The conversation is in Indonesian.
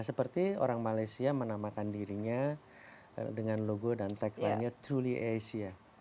seperti orang malaysia menamakan dirinya dengan logo dan tagline nya truly asia